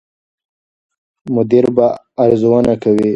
مدیر به ارزونه کوي.